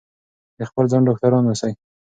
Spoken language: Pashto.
د خپل ځان ډاکټر اوسئ.